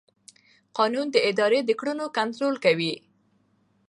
قانون د ادارې د کړنو کنټرول کوي.